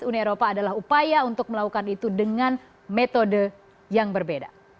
uni eropa adalah upaya untuk melakukan itu dengan metode yang berbeda